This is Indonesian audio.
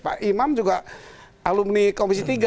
pak imam juga alumni komisi tiga